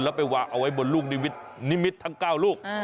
แล้วไปวางเอาไว้บนลูกนิมิตทั้ง๙ลูก